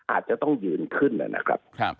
อาจจะต้องยืนขึ้นนะครับ